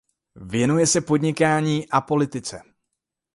Věnuje se podnikání a politice.